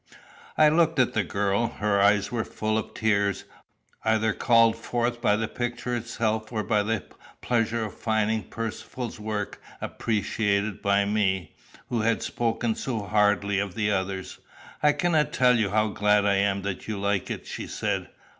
] I looked at the girl. Her eyes were full of tears, either called forth by the picture itself or by the pleasure of finding Percivale's work appreciated by me, who had spoken so hardly of the others. "I cannot tell you how glad I am that you like it," she said.